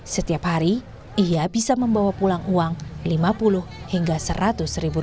setiap hari ia bisa membawa pulang uang lima puluh hingga rp seratus